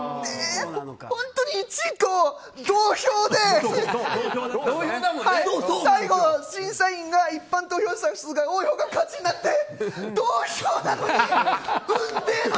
本当に１位と同票で最後、審査員が一般投票者数が多いほうが勝ちになって。